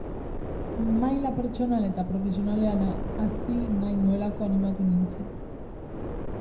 Maila pertsonal eta profesionalean hazi nahi nuelako animatu nintzen.